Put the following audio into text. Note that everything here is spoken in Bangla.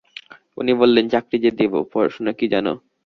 উনি বললেন, চাকরি যে দিব, পড়াশোনা কী জানো?